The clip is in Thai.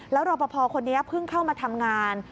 แล้วรอปภคนนี้เพิ่งเข้ามาทำงาน